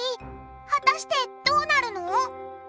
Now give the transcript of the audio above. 果たしてどうなるの？